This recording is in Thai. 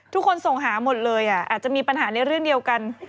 ทุกคนส่งหาหมดเลยอาจจะมีปัญหาในเรื่องเดียวกัน